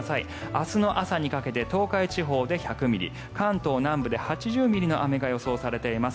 明日の朝にかけて東海地方で１００ミリ関東南部で８０ミリの雨が予想されています。